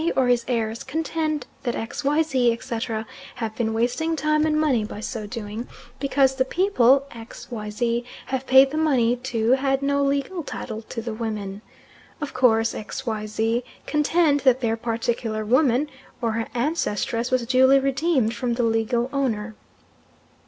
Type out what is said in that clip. or his heirs, contend that X., Y., Z., etc. have been wasting time and money by so doing, because the people X., Y., Z. have paid the money to had no legal title to the women. Of course X., Y., Z. contend that their particular woman, or her ancestress, was duly redeemed from the legal owner.